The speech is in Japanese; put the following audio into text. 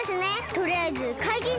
とりあえずかいじん